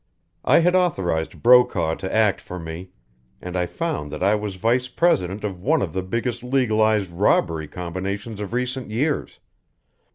I had authorized Brokaw to act for me, and I found that I was vice president of one of the biggest legalized robbery combinations of recent years.